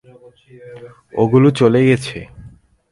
ওগুলো চলে গেছে!